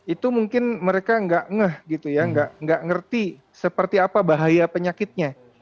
itu mungkin mereka nggak ngerti seperti apa bahaya penyakitnya